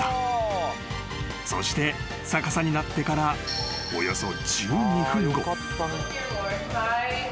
［そして逆さになってからおよそ］